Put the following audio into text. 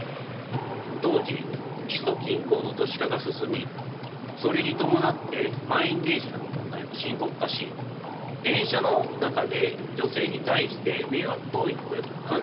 当時首都近郊の都市化が進みそれに伴って満員電車などの問題も深刻化し電車の中でこの迷惑行為を何と呼ぶべきか？